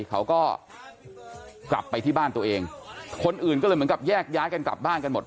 เขาก็กลับไปที่บ้านตัวเองคนอื่นก็เลยเหมือนกับแยกย้ายกันกลับบ้านกันหมด